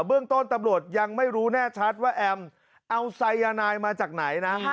เรื่องต้นตำรวจยังไม่รู้แน่ชัดว่าแอมเอาไซยานายมาจากไหนนะ